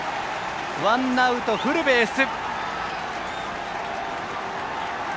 ワンアウトフルベース。